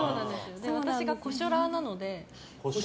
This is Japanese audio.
私がコショラーなので。